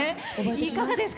いかがですか？